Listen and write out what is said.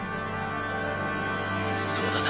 そうだな。